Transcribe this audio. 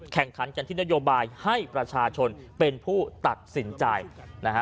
แข่งขันกันที่นโยบายให้ประชาชนเป็นผู้ตัดสินใจนะฮะ